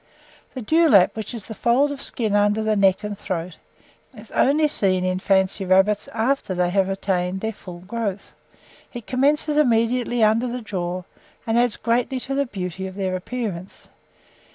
The dewlap, which is a fold of skin under the neck and throat, is only seen in fancy rabbits, after they have attained their full growth: it commences immediately under the jaw, and adds greatly to the beauty of their appearance.